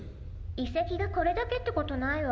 いせきがこれだけってことないわ。